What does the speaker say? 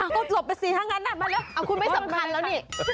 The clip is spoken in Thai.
กดหลบปฏิเสธทั้งนั้นนะมาเร็วคุณไม่สำคัญแล้วนี่